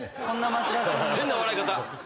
変な笑い方！